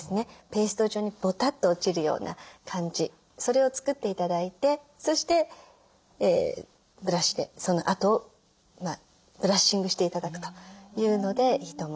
ペースト状にボタッと落ちるような感じそれを作って頂いてそしてブラシでその跡をブラッシングして頂くというのでいいと思います。